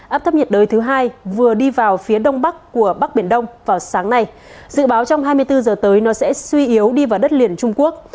áp thấp nhiệt đới thứ hai vừa đi vào phía đông bắc của bắc biển đông vào sáng nay dự báo trong hai mươi bốn giờ tới nó sẽ suy yếu đi vào đất liền trung quốc